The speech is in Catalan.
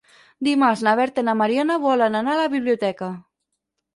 Dimarts na Berta i na Mariona volen anar a la biblioteca.